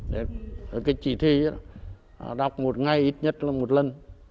để cái chỉ thị đó đọc một ngày ít nhất là một lần